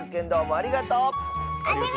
ありがとう！